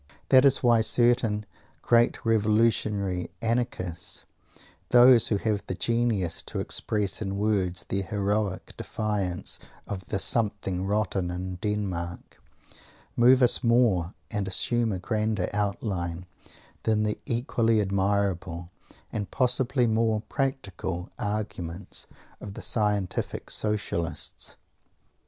That is why certain great revolutionary Anarchists, those who have the genius to express in words their heroic defiance of "the something rotten in Denmark," move us more, and assume a grander outline, than the equally admirable, and possibly more practical, arguments of the Scientific Socialists.